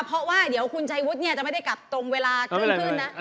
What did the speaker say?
เพราะว่าคุณชายวุฒิจะไม่ได้กลับตรงเวลาขึ้นขึ้นนะ